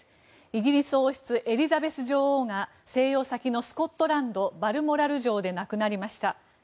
イギリス王室エリザベス女王が静養先のスコットランド・バルモラル城で亡くなりました。